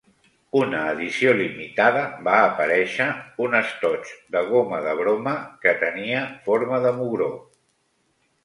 Una edició limitada va aparèixer un estoig de goma de broma que tenia forma de mugró.